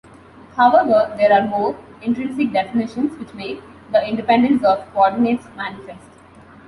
However, there are more intrinsic definitions which make the independence of coordinates manifest.